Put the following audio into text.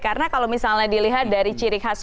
karena kalau misalnya dilihat dari ciri khas